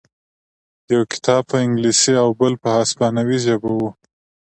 یو کتاب په انګلیسي او بل په هسپانوي ژبه و